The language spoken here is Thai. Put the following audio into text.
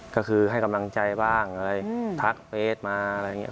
ก็คือให้กำลังใจบ้างอะไรทักเฟสมาอะไรอย่างนี้